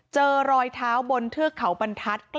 เจอรอยเท้าบนเทือกเขาบรรทัศน์